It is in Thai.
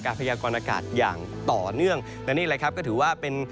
พยากรณากาศอย่างต่อเนื่องและนี่แหละครับก็ถือว่าเป็น